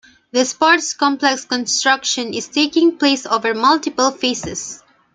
The sports complex construction is taking place over multiple phases.